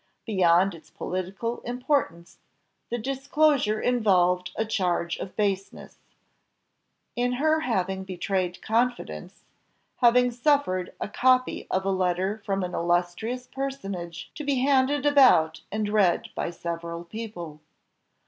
Beyond its political importance, the disclosure involved a charge of baseness, in her having betrayed confidence, having suffered a copy of a letter from an illustrious personage to be handed about and read by several people.